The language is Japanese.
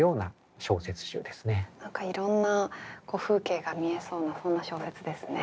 何かいろんな風景が見えそうなそんな小説ですね。